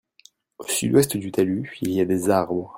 Au sud-ouest du talus il y a des arbres.